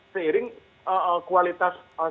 seiring kualitas sekolah